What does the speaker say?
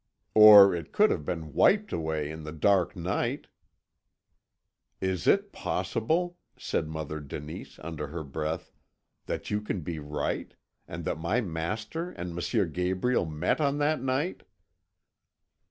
"Or it could have been wiped away in the dark night!" "Is it possible," said Mother Denise under her breath, "that you can be right, and that my master and M. Gabriel met on that night!"